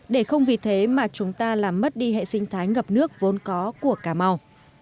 để không vì thế mà chúng ta làm mất đi hệ sinh thái ngập nước vốn có của cà mau